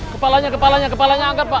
kepalanya kepalanya kepalanya angkat pak